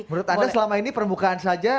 menurut anda selama ini permukaan saja